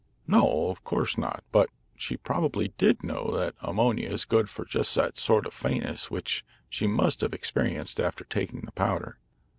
"No, of course not. But she probably did know that ammonia is good for just that sort of faintness which she must have experienced after taking the powder.